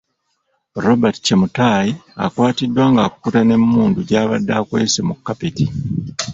Robert Chemutai akwatiddwa ng'akukuta n'emmundu gy'abadde akwese mu kapeti.